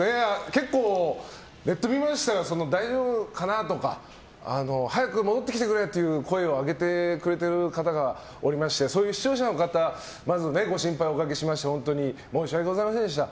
結構ネット見ましたが大丈夫かなとか早く戻ってきてくれという声を上げてくれてる方がおりまして視聴者の方にご心配をおかけしまして本当に申し訳ございませんでした。